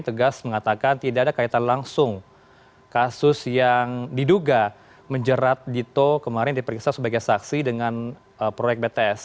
tegas mengatakan tidak ada kaitan langsung kasus yang diduga menjerat dito kemarin diperiksa sebagai saksi dengan proyek bts